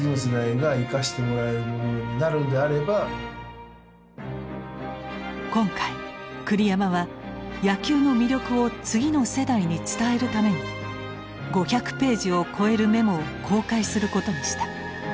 ただその今回栗山は野球の魅力を次の世代に伝えるために５００ページを超えるメモを公開することにした。